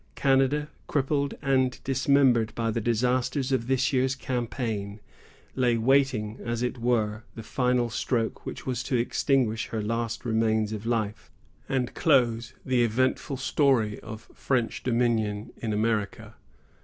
Canada, crippled and dismembered by the disasters of this year's campaign, lay waiting, as it were, the final stroke which was to extinguish her last remains of life, and close the eventful story of French dominion in America.